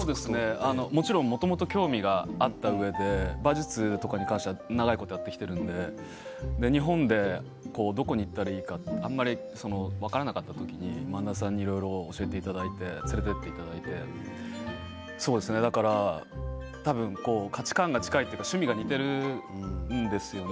もともと興味があったうえで馬術に関してはもともとやっていて日本でどこに行ったらいいか分からない時に、萬田さんにいろいろ教えていただいて連れて行っていただいて価値観が近いというか趣味が似ているんですよね。